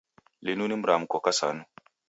Linu ni mramko kasanu.